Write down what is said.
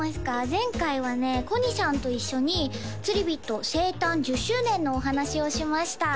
前回はねこにしゃんと一緒につりビット生誕１０周年のお話をしました